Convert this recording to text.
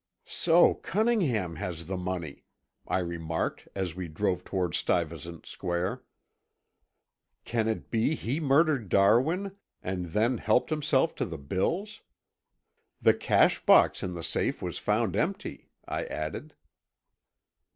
"So Cunningham has the money," I remarked as we drove toward Stuyvesant Square. "Can it be he murdered Darwin, and then helped himself to the bills. The cash box in the safe was found empty," I added.